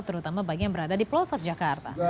terutama bagi yang berada di pelosok jakarta